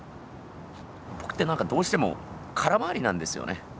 僕ってなんかどうしても空回りなんですよね。